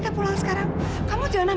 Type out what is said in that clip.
tanggung jawab kamu sudah selesai